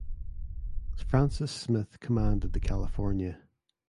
Francis Smith commanded the "California".